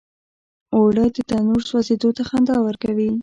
اوړه د تنور سوزیدو ته خندا ورکوي